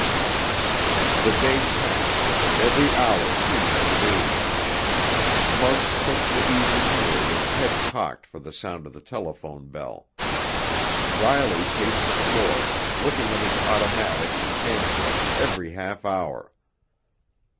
The day passed, every hour seeming an age. Muggs cooked the evening meal with head cocked for the sound of the telephone bell. Riley paced the floor, looking at his automatic and handcuffs every half hour.